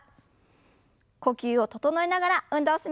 呼吸を整えながら運動を進めましょう。